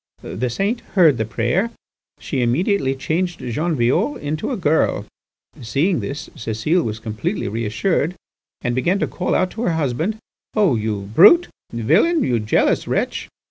"The saint heard the prayer. She immediately changed Jean Violle into a girl. Seeing this, Cécile was completely reassured, and began to call out to her husband: 'Oh! you brutal villain, you jealous wretch!